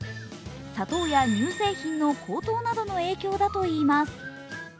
砂糖や乳製品の高騰などの影響だといいます。